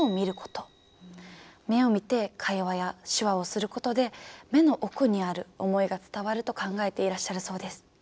目を見て会話や手話をすることで目の奥にある思いが伝わると考えていらっしゃるそうです。